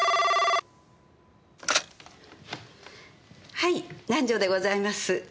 はい南条でございます。